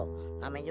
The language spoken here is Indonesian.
nggak ada apa apa